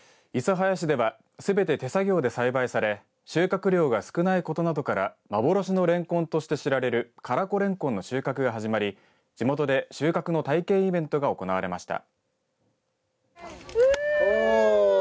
諫早市ではすべて手作業で栽培され収穫量が少ないことなどから幻のれんこんとして知られる唐比れんこんの収穫が始まり地元で収穫の体験イベントが行われました。